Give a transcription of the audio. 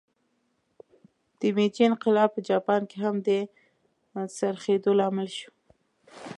د میجي انقلاب په جاپان کې هم د څرخېدو لامل شو.